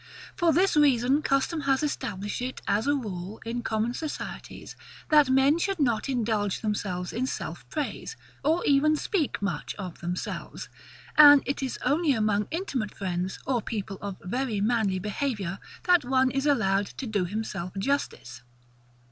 For this reason custom has established it as a rule, in common societies, that men should not indulge themselves in self praise, or even speak much of themselves; and it is only among intimate friends or people of very manly behaviour, that one is allowed to do himself justice.